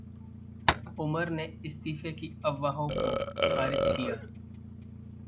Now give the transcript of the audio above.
उमर ने इस्तीफे की अफवाहों को खारिज किया